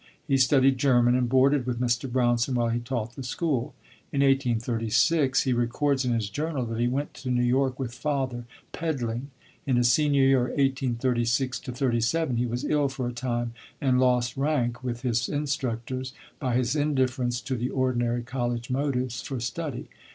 He studied German and boarded with Mr. Brownson while he taught the school. In 1836, he records in his journal that he "went to New York with father, peddling." In his senior year, 1836 37, he was ill for a time, and lost rank with his instructors by his indifference to the ordinary college motives for study.